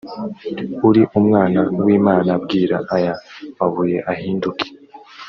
uri umwana w imana bwira aya mabuye ahinduke